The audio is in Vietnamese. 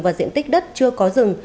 và diện tích đất chưa có rừng